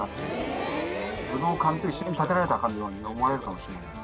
武道館と一緒に建てられたかのように思われるかもしれない。